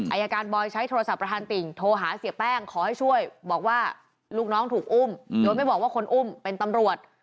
อายการบอยใช้โทรศัพท์ประธานติ่งโทรหาเสียแป้งขอให้ช่วยบอกว่าลูกน้องถูกอุ้มโดยไม่บอกว่าคนอุ้มเป็นตำรวจ